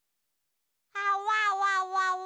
あわわわわ。